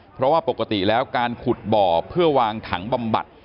เพราะว่าปกติแล้วการขุดบ่อเพื่อวางถังบำบัด